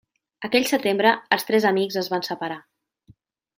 Aquell setembre, els tres amics es van separar.